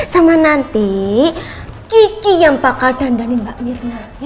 sama nanti kiki yang bakal dandani mbak mirna